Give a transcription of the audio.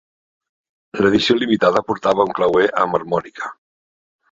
L'edició limitada portava un clauer amb harmònica.